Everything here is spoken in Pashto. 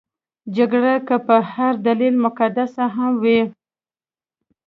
جګړه که په هر دلیل مقدسه هم وي.